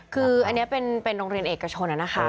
คืออันนี้เป็นโรงเรียนเอกชนนะคะ